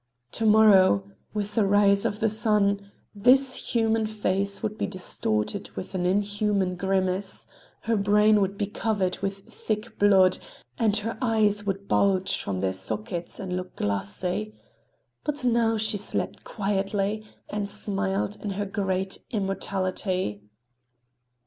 To morrow, with the rise of the sun, this human face would be distorted with an inhuman grimace, her brain would be covered with thick blood, and her eyes would bulge from their sockets and look glassy,—but now she slept quietly and smiled in her great immortality.